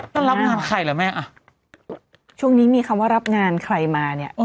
ต้องรับงานใครเหรอแม่อ่ะช่วงนี้มีคำว่ารับงานใครมาเนี่ย